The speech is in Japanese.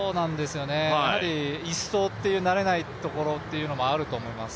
やはり１走という慣れないところもあると思います。